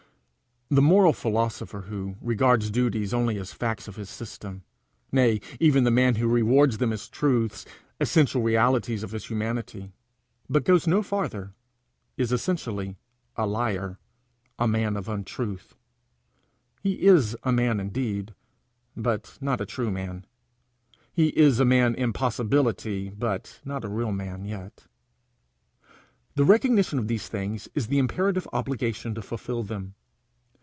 The moral philosopher who regards duties only as facts of his system; nay, even the man who rewards them as truths, essential realities of his humanity, but goes no farther, is essentially a liar, a man of untruth. He is a man indeed, but not a true man. He is a man in possibility, but not a real man yet. The recognition of these things is the imperative obligation to fulfil them.